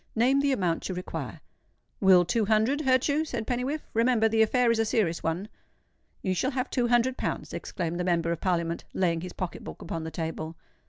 Name the amount you require." "Will two hundred hurt you?" said Pennywhiffe. "Remember—the affair is a serious one." "You shall have two hundred pounds," exclaimed the Member of Parliament, laying his pocket book upon the table.